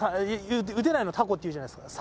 打てないのタコって言うじゃないですか。